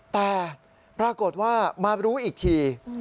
แต่ปรากฏว่ามารู้อีกที